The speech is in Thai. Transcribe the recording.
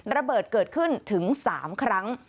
ระเบิดเกิดขึ้นถึง๓ครั้ง